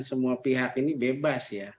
semua pihak ini bebas ya